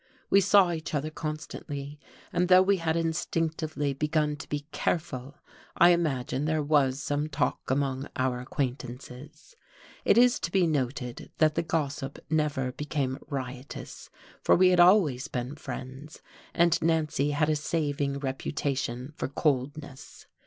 We saw each other constantly. And though we had instinctively begun to be careful, I imagine there was some talk among our acquaintances. It is to be noted that the gossip never became riotous, for we had always been friends, and Nancy had a saving reputation for coldness.